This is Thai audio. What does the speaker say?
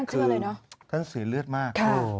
คือท่านสื่อเลือดมาก